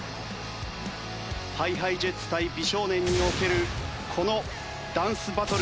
ＨｉＨｉＪｅｔｓ対美少年におけるこのダンスバトル。